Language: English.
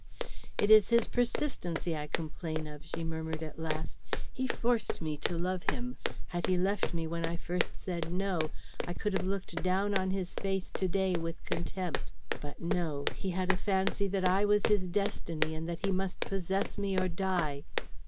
"It is his persistency I complain of," she murmured at last. "He forced me to love him. Had he left me when I first said 'No,' I could have looked down on his face to day with contempt. But, no, he had a fancy that I was his destiny, and that he must possess me or die.